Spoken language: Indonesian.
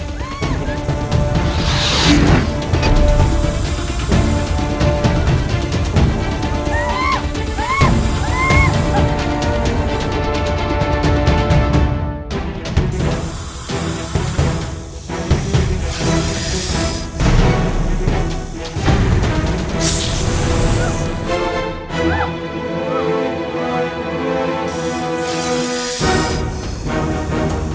bisa dimulai sekarang